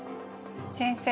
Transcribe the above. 先生